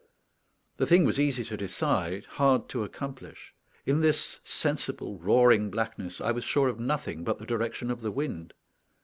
The thing was easy to decide, hard to accomplish. In this sensible roaring blackness I was sure of nothing but the direction of the wind.